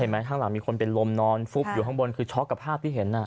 ข้างหลังมีคนเป็นลมนอนฟุบอยู่ข้างบนคือช็อกกับภาพที่เห็น